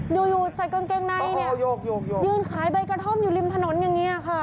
อยู่อยู่ใส่กางเกงในเนี่ยยืนขายใบกระท่อมอยู่ริมถนนอย่างนี้ค่ะ